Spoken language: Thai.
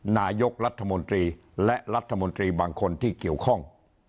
นายกรัฐมนตรีและรัฐมนตรีบางคนที่เกี่ยวข้อง